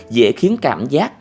dễ khiến cảm giác